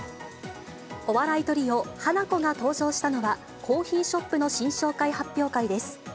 お笑いトリオ、ハナコが登場したのは、コーヒーショップの新商品発表会です。